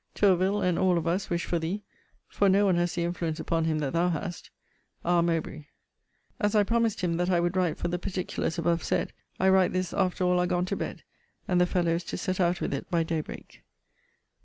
Tourville, and all of us, wish for thee; for no one has the influence upon him that thou hast. R. MOWBRAY. As I promised him that I would write for the particulars abovesaid, I write this after all are gone to bed; and the fellow is set out with it by day break.